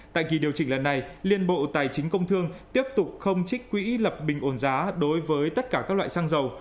tại kỳ điều chỉnh lần này liên bộ tài chính công thương tiếp tục không trích quỹ lập bình ổn giá đối với tất cả các loại xăng dầu